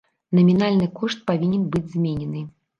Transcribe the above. Намінальны кошт павінен быць зменены.